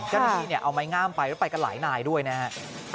พริกนี้เอาไม้ง่ามไปแล้วก็ไปกันหลายนายด้วยนะฮะ